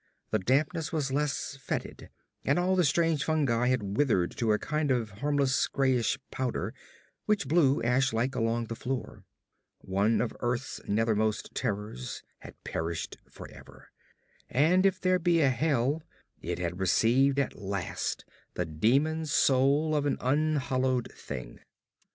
The dampness was less fetid, and all the strange fungi had withered to a kind of harmless grayish powder which blew ash like along the floor. One of earth's nethermost terrors had perished for ever; and if there be a hell, it had received at last the demon soul of an unhallowed thing.